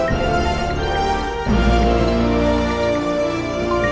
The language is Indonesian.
aku minta maaf aku yang salah